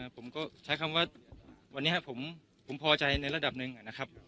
ผมก็ใช้คำว่าวันนี้ผมพอใจในระดับหนึ่งนะครับ